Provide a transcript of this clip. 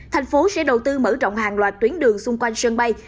thành phố sẽ đầu tư mở rộng hàng loạt tuyến đường xung quanh sân bay